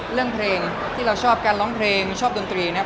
เรื่องเพลงที่เราชอบการร้องเพลงชอบดนตรีเนี่ย